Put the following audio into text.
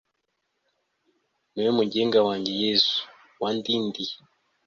ni wowe mugenga, wanjye yezu, wandindiye